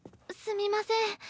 すみません。